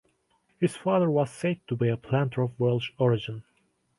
His father was said to be a planter of Welsh origin.